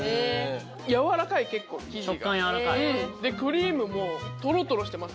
やわらかい結構生地が食感やわらかい？でクリームもトロトロしてます